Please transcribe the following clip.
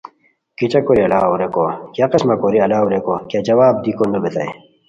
کیچہ کوری الاؤ ریکو کیہ قسمہ کوری الاؤ؟ ریکو کیہ جواب دیکو نوبیتائے